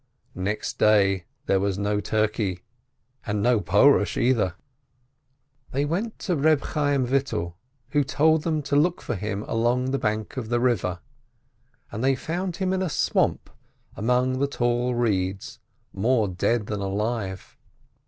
Next day, there was no turkey, and no Porush, either ! WHENCE A PEOVEKB 79 They went to Eeb Chayyim Vital, who told them to look for him along the bank of the river, and they found him in a swamp among the tall reeds, more dead than alive.